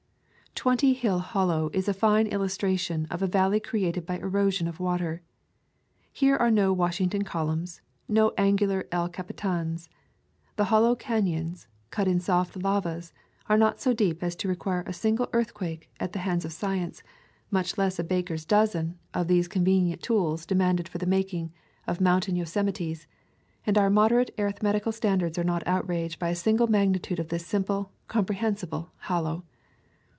Twenty Hill Hollow is a fine illustration of a valley created by erosion of water. Here are no Washington columns, no angular El Capi tans. The hollow cafions, cut in soft lavas, are not so deep as to require a single earthquake at the hands of science, much less a baker's dozen [ 196 ] Twenty Hiill Hollow of those convenient tools demanded for the making of mountain Yosemites, and our mod erate arithmetical standards are not outraged by a single magnitude of this simple, compre hensible hollow.